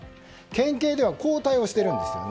県警ではこう対応しているんです。